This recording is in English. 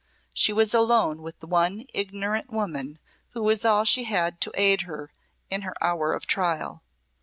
She was alone with the one ignorant woman who was all she had to aid her in her hour of trial.